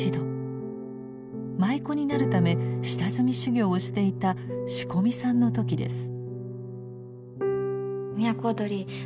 舞妓になるため下積み修業をしていた仕込みさんの時です。